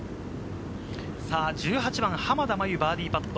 １８番、濱田茉優バーディーパット。